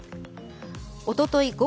おととい